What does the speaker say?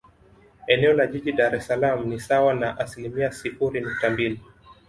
Eneo la Jiji la Dar es Salaam ni sawa na asilimia sifuri nukta mbili